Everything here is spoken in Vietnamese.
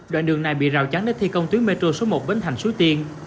đoạn đường này bị rào chắn để thi công tuyến metro số một bến thành suối tiên